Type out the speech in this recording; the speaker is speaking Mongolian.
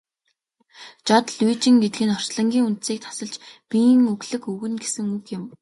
Жод лүйжин гэдэг нь орчлонгийн үндсийг тасалж биеийн өглөг өгнө гэсэн үг юм.